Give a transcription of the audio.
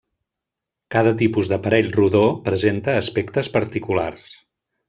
Cada tipus d'aparell rodó presenta aspectes particulars.